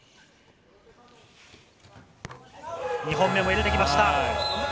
２本目も入れてきました。